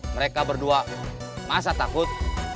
mereka berdua masa takut